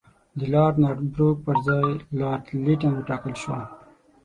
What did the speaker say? د لارډ نارت بروک پر ځای لارډ لیټن وټاکل شو.